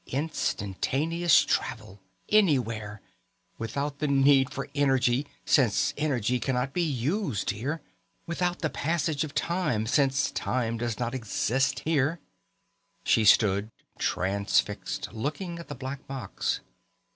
Instantaneous travel, anywhere, without the need for energy since energy cannot be used here, without the passage of time since time does not exist here." She stood transfixed, looking at the black box.